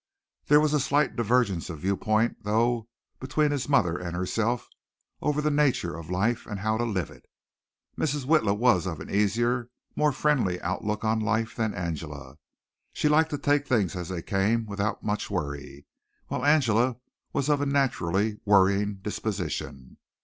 There was a slight divergence of view point though, between his mother and herself, over the nature of life and how to live it. Mrs. Witla was of an easier, more friendly outlook on life than Angela. She liked to take things as they came without much worry, while Angela was of a naturally worrying disposition.